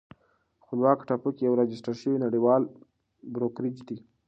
خپلواکه ټاپو کې یو راجستر شوی نړیوال بروکریج دی